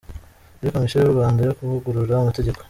Muri Komisiyo y’u Rwanda yo kuvugurura Amategeko